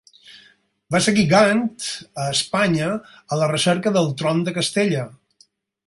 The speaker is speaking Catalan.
Va seguir Gant a Espanya a la recerca del tron de Castella.